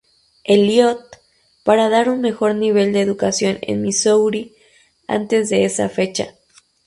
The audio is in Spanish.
Eliot, para dar un mejor nivel de educación en Missouri antes de esa fecha.